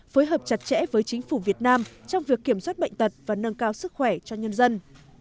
phối hợp chặt chẽ với chính phủ việt nam trong việc kiểm soát bệnh tật và nâng cao sức khỏe cho nhân dân